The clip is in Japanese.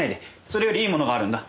それよりいいものがあるんだ。